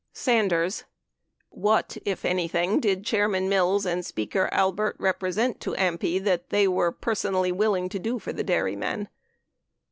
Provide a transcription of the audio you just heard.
Sanders. What, if anything, did Chairman Mills and Speaker Albert represent to AMPI that they were personal ly willing to do for the dairymen